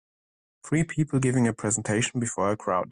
Three people giving a presentation before a crowd.